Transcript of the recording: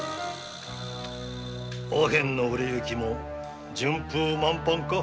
アヘンの売れ行きも順風満帆か？